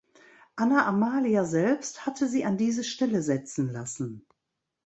Anna Amalia selbst hatte sie an diese Stelle setzen lassen.